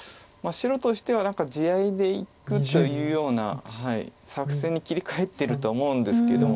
白としては何か地合いでいくというような作戦に切り替えてると思うんですけども。